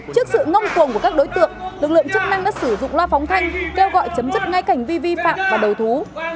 trước sự ngông cuồng của các đối tượng lực lượng chức năng đã sử dụng loa phóng thanh kêu gọi chấm dứt ngay hành vi vi phạm và đầu thú